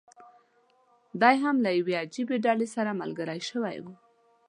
دی هم له یوې عجیبي ډلې سره ملګری شوی و.